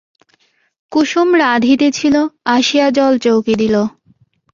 কুসুম রাঁধিতেছিল, আসিয়া জলচৌকি দিল।